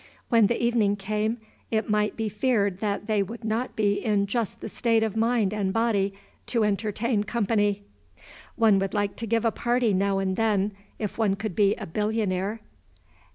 When the evening came, it might be feared they would not be in just the state of mind and body to entertain company. One would like to give a party now and then, if one could be a billionaire.